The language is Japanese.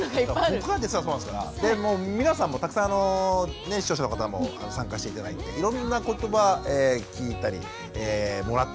僕らですらそうなんですからで皆さんもたくさんあの視聴者の方も参加して頂いていろんなことば聞いたりもらったりしました。